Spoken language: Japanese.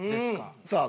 さあ